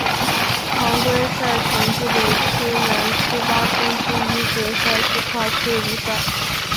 常规赛成绩北区南区八分之一决赛是跨区的比赛。